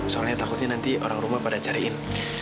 soalnya takutnya nanti orang rumah pada cariin